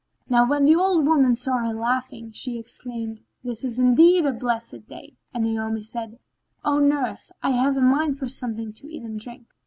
Now when the old woman saw her laughing, she exclaimed, "This is indeed a blessed day!"; and Naomi said, "O nurse, I have a mind for something to eat and drink."